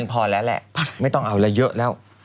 พอแล้วแหละไม่ต้องเอาแล้วเยอะแล้ว